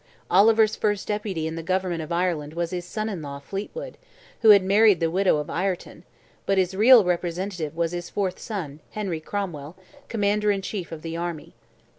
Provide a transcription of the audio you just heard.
Oliver's first deputy in the government of Ireland was his son in law, Fleetwood, who had married the widow of Ireton; but his real representative was his fourth son, Henry Cromwell, Commander in Chief of the army.